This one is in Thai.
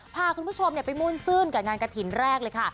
พาคุณผู้ชมไปมุ่นซื่นกับงานกระถิ่นแรกเลยค่ะ